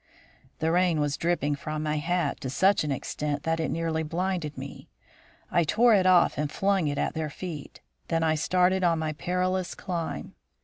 The rain was dripping from my hat to such an extent that it nearly blinded me. I tore it off and flung it at their feet; then I started on my perilous climb.